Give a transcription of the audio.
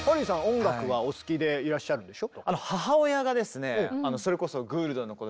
音楽はお好きでいらっしゃるんでしょ。